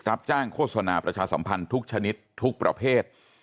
รับจ้างโฆษณาประชาสัมพันธ์ทุกชนิดทุกประเภท